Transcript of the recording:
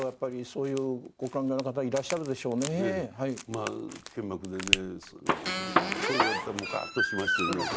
まあけんまくでねそう言われたらムカッとしましてね